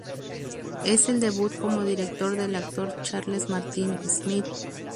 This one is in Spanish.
Es el debut como director del actor Charles Martin Smith.